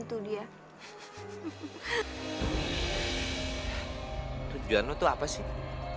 tujuan lo tuh apa sih